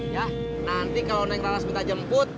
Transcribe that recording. yah nanti kalo neng laras minta jemput